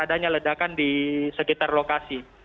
adanya ledakan di sekitar lokasi